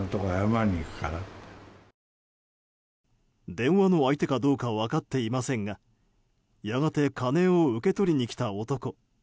電話の相手かどうかは分かっていませんがやがて金を受け取りに来た男。